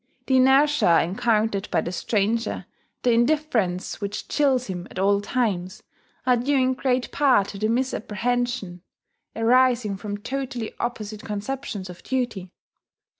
The inertia encountered by the stranger, the indifference which chills him at all times, are due in great part to the misapprehension arising from totally opposite conceptions of duty.